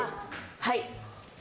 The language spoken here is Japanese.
はい。